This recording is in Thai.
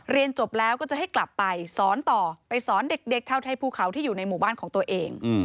เรียนจบแล้วก็จะให้กลับไปสอนต่อไปสอนเด็กชาวไทยภูเขาที่อยู่ในหมู่บ้านของตัวเอง